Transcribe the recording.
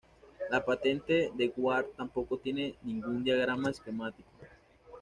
La patente de Ward tampoco tiene ningún diagrama esquemático.